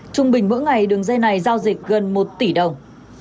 trung bình mỗi ngày đường dây này giao dịch gần một tỷ đồng